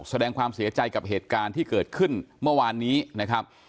แสดงความเสียใจกับเหตุการณ์ที่เกิดขึ้นเมื่อวานนี้นะครับ